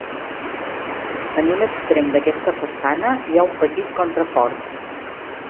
En un extrem d'aquesta façana hi ha un petit contrafort.